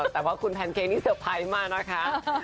แต่ว่าคุณแพนเค้นี่เซอร์ไพรส์มากนะคะ